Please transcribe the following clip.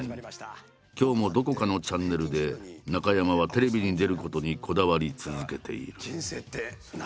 今日もどこかのチャンネルで中山はテレビに出ることにこだわり続けている。